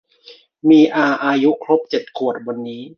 มีอาอายุครบเจ็ดขวบวันนี้